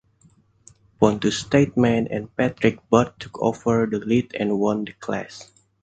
Pontus Tidemand and Patrick Barth took over the lead and won the class.